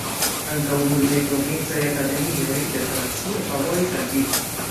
Ankaŭ multaj provincaj akademioj de Francio favoris al ĝi.